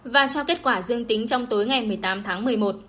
và cho kết quả dương tính trong tối ngày một mươi tám tháng một mươi một